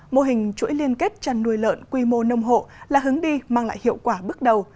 mô hình chuỗi liên kết chăn nuôi lợn quy mô nông hộ là hướng đi mang lại hiệu quả bước đầu